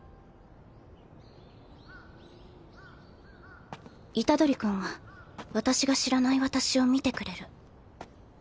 虎杖ほら行くぞ虎杖君は私が知らない私を見てくれる。